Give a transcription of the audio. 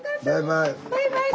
バイバイ。